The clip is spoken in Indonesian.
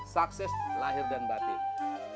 sukses lahir dan batin